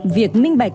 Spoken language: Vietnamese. việc minh bạch